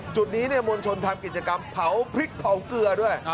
จุดนี้มวลชนทำกิจกรรมเผาพริกเผาเกลือด้วย